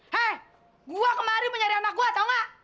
hei gua kemarin mau nyari anak gua tau gak